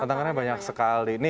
tantangannya banyak sekali